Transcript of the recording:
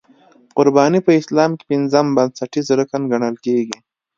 قرباني په اسلام کې پنځم بنسټیز رکن ګڼل کېږي.